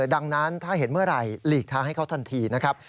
ดังนั้นถ้าเห็นเมื่อไหร่หลีกทางให้เขาทันทีนะครับ